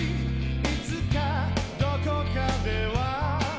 「いつかどこかでは」